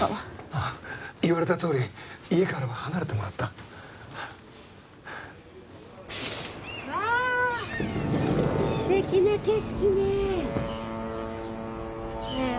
ああ言われたとおり家からは離れてもらったわあ素敵な景色ねねえ